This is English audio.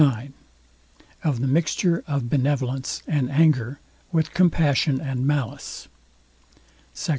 IX OF THE MIXTURE OF BENEVOLENCE AND ANGER WITH COMPASSION AND MALICE SECT.